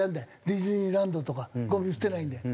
ディズニーランドとかごみ捨てないんだよ。